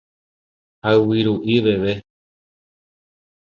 hayviru'i veve